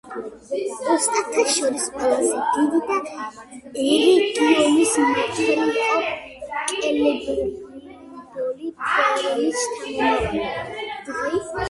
ოსტატთა შორის ყველაზე დიდი და ერეგიონის მმართველი იყო კელებრიმბორი, ფეანორის შთამომავალი.